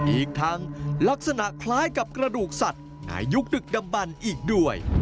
อีกทั้งลักษณะคล้ายกับกระดูกสัตว์อายุดึกดำบันอีกด้วย